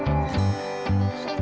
sehingga bisa menjaga kepentingan kota